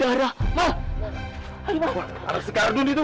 aduh ada sekardun itu